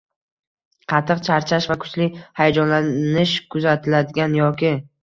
Qattiq charchash va kuchli hayajonlanish kuzatiladigan yoki